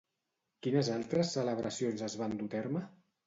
Quines altres celebracions es van dur a terme?